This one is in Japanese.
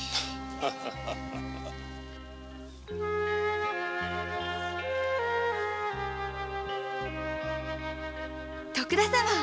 ア徳田様！